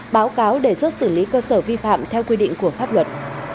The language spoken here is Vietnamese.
báo cáo đề xuất xử lý cơ sở vi phạm theo quy định của pháp luật